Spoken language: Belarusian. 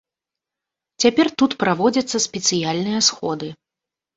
Цяпер тут праводзяцца спецыяльныя сходы.